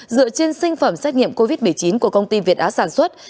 dựa trên sinh phẩm xét nghiệm covid một mươi chín của công ty việt á sản xuất